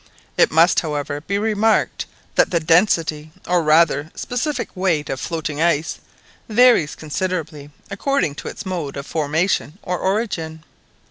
It must, however, be remarked that the density, or rather specific weight of floating ice, varies considerably according to its mode of formation or origin.